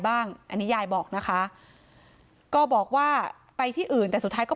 บ้างอันนี้ยายบอกนะคะก็บอกว่าไปที่อื่นแต่สุดท้ายก็